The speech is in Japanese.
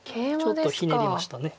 ちょっとひねりました。